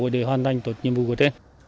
và hơn chín trường hợp f một